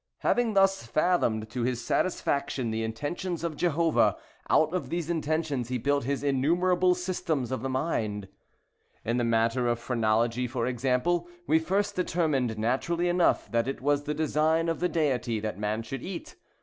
Having thus fathomed, to his satisfaction, the intentions of Jehovah, out of these intentions he built his innumerable systems of mind. In the matter of phrenology, for example, we first determined, naturally enough, that it was the design of the Deity that man should eat.